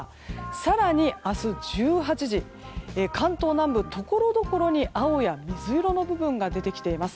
更に、明日１８時は関東南部、ところどころに青や水色の部分が出てきます。